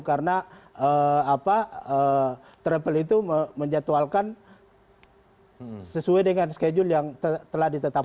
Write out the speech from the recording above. karena travel itu menjatuhalkan sesuai dengan schedule yang telah ditetapkan